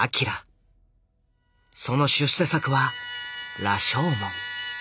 その出世作は「羅生門」。